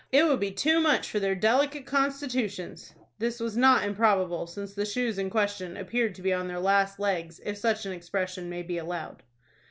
It would be too much for their delicate constitutions." This was not improbable, since the shoes in question appeared to be on their last legs, if such an expression may be allowed.